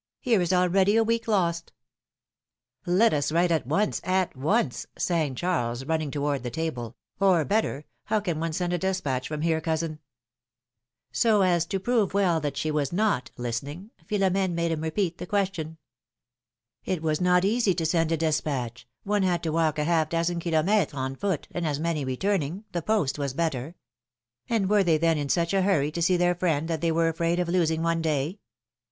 Here is already a v/eek lost ! ^^Let us write at once, at once," sang Charles, running toward the table; ^^or, better, how can one send a des patch from here, cousin ?" So as to prove well that she was not listening, Philo m^ne made him repeat the question. It was not easy to send a despatch ; one had to walk a half dozen IcilomUres on foot, and as many returning; the post was better. And were they then in such a hurry to see their friend that they were afraid of losing one day?"